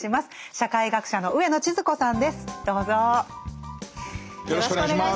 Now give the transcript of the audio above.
社会学者の上野千鶴子さん。